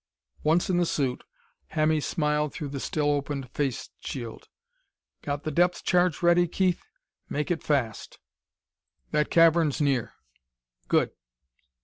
Once in the suit, Hemmy smiled through the still opened face shield. "Got the depth charge ready, Keith? Make it fast that cavern's near!... Good!"